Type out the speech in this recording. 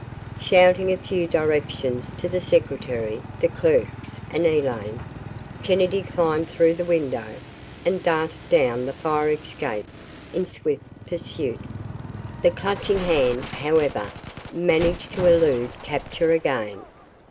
Shouting a few directions to the secretary, the clerks and Elaine, Kennedy climbed through the window and darted down the fire escape in swift pursuit. The Clutching Hand, however, managed to elude capture again.